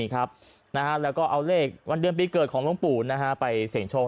แล้วก็เอาเลขวันเดือนปีเกิดของหลวงปู่ไปเสี่ยงโชค